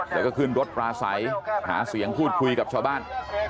แล้วก็ขึ้นรถปลาใสหาเสียงพูดคุยกับชาวบ้าน